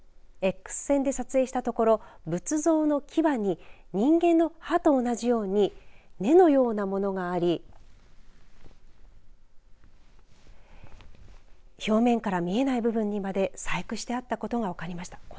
Ｘ線で撮影したところ仏像の牙に人間の歯と同じように根のようなものがあり表面から見えない部分にまで細工してあったことが分かりました。